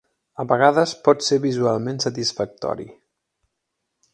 A vegades pot ser visualment satisfactori.